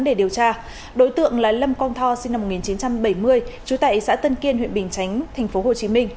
để điều tra đối tượng là lâm quang tho sinh năm một nghìn chín trăm bảy mươi trú tại xã tân kiên huyện bình chánh tp hcm